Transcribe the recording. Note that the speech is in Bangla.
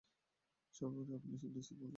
সর্বোপরি, আপনি ডিসির বন্ধু সাথে কাজ করেছেন।